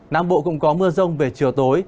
năm bộ cũng có mưa rông về chiều tối